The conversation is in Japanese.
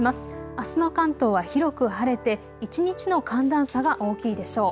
あすの関東は広く晴れて一日の寒暖差が大きいでしょう。